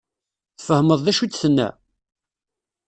Tfehmeḍ d acu i d-tenna?